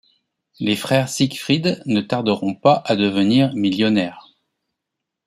Les frères Siegfried ne tarderont pas à devenir millionnaires.